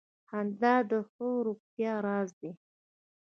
• خندا د ښې روغتیا راز دی.